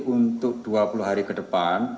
untuk dua puluh hari ke depan